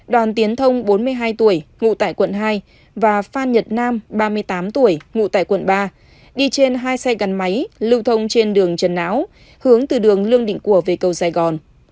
đoàn tiến thông bốn mươi hai tuổi ngụ tại quận hai và phan nhật nam ba mươi tám tuổi ngụ tại quận ba đi trên hai xe gắn máy lưu thông trên đường trần não hướng từ đường lương định của về cầu sài gòn